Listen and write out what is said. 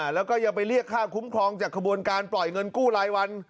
แล้วก็ยังไปเรียกค่าคุ้มครองจากขบวนการปล่อยเงินกู้รายวัน